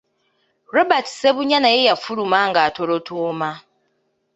Robert Ssebunya naye yafuluma ng’atolotooma.